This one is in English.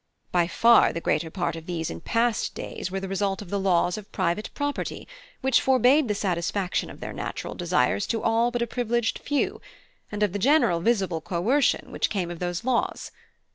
By far the greater part of these in past days were the result of the laws of private property, which forbade the satisfaction of their natural desires to all but a privileged few, and of the general visible coercion which came of those laws.